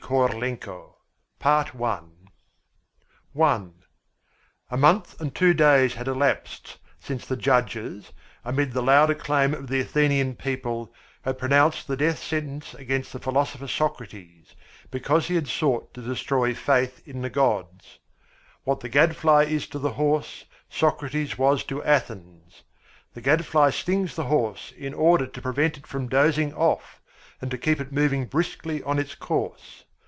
KORLENKO I A month and two days had elapsed since the judges, amid the loud acclaim of the Athenian people, had pronounced the death sentence against the philosopher Socrates because he had sought to destroy faith in the gods. What the gadfly is to the horse Socrates was to Athens. The gadfly stings the horse in order to prevent it from dozing off and to keep it moving briskly on its course.